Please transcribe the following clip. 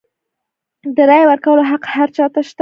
د رایې ورکولو حق هر چا ته شته.